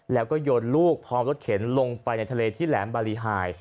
แล้วก็โยนลูกพร้อมรถเข็นลงไปในทะเลที่แหลมบารีไฮ